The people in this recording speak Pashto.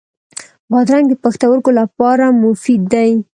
بادرنګ د پښتورګو لپاره مفید دی.